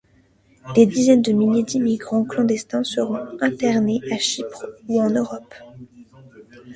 Des dizaines de milliers d’immigrants clandestins seront internés à Chypre ou en Europe.